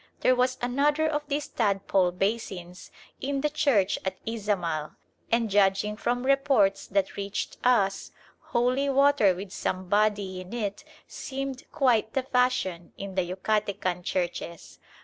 There was another of these tadpole basins in the church at Izamal; and judging from reports that reached us, holy water with some "body" in it seemed quite the fashion in the Yucatecan churches.